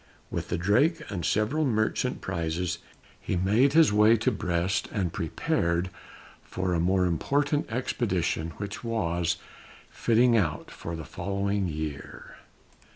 With the Drake and several merchant prizes, he made his way to Brest, and prepared for a more important expedition which was fitting out for the following year.